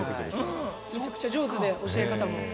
めちゃくちゃ上手で教え方も。